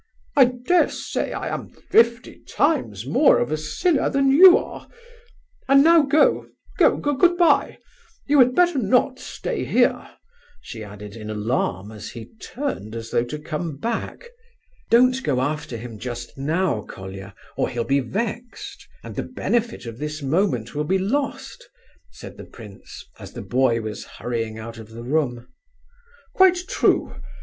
I dare say I am fifty times more of a sinner than you are! And now go, go, good bye, you had better not stay here!" she added, in alarm, as he turned as though to come back. "Don't go after him just now, Colia, or he'll be vexed, and the benefit of this moment will be lost!" said the prince, as the boy was hurrying out of the room. "Quite true!